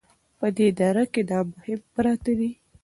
په دې دره کې دا مهم پراته دي